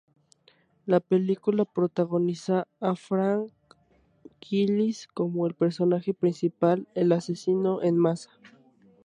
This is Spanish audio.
La película protagoniza a Frank Gillis como el personaje principal, el Asesino en Masa.